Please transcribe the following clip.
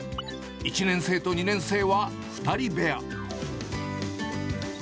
１年生と２年生は２人部屋。